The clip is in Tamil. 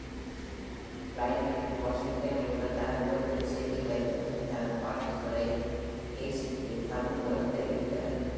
பிளைனுக்கு வாஷிங்டனில் உள்ள தனது வீட்டில் செய்தி கிடைத்தது, தனது வாழ்த்துக்களை ஹெய்ஸுக்கு தந்தி மூலம் தெரிவித்தார்.